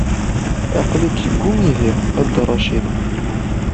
Aql-ik deg umihi, a Dda Racid.